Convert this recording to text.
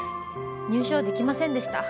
入賞できませんでした。